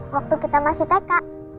waktu kita masih teka